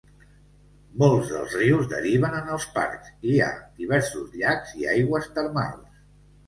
Molts dels rius deriven en els parcs i hi ha diversos llacs i aigües termals.